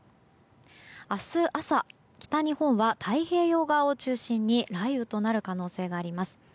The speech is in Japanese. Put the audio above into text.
明日朝、北日本は太平洋側を中心に雷雨となる可能性があります。